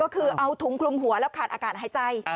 ก็คือเอาถุงคลุมหัวแล้วขาดอากาศหายใจ